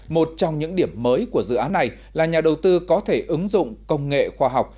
một trong những điểm mới của dự án này là nhà đầu tư có thể ứng dụng công nghệ khoa học